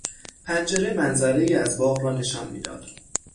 پنجره منظرهای از باغ را نشان میداد.